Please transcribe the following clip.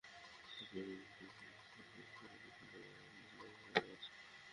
হাঁপানিয়া গ্রামের মধ্যপ্রাচ্যপ্রবাসী মনির আহাম্মদের স্ত্রী কুনসুমা আকতারের নামে কার্ড রয়েছে।